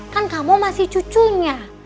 kan kamu masih cucunya